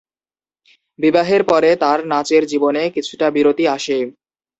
বিবাহের পরে তাঁর নাচের জীবনে কিছুটা বিরতি আসে।